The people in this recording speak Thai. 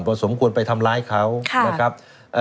สมควรไปทำร้ายเขานะครับ